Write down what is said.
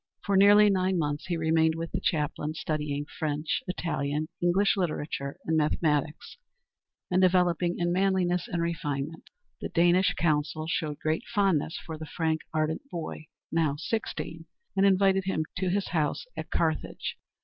For nearly nine months he remained with the chaplain, studying French, Italian, English literature, and mathematics, and developing in manliness and refinement. The Danish consul showed great fondness for the frank, ardent boy, now sixteen, and invited him to his house at Carthage.